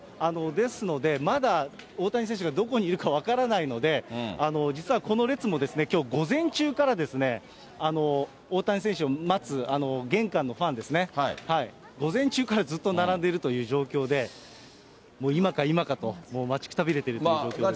ですので、まだ大谷選手がどこにいるか分からないので、実はこの列もきょう午前中からですね、大谷選手を待つ、ファンですね、午前中からずっと並んでいるという状況で、今か今かと待ちくたびれてるという感じですね。